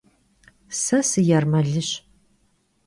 Se sıêrmelış.